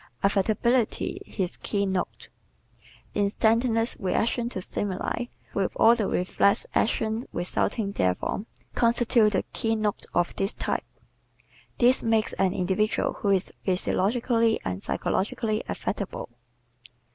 Affectability His Keynote ¶ Instantaneous reaction to stimuli with all the reflex actions resulting therefrom constitutes the keynote of this type. This makes an individual who is physiologically and psychologically affectable.